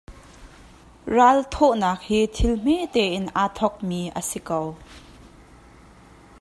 Ralthawhnak hi thil hmete in aa thawkmi a si kho.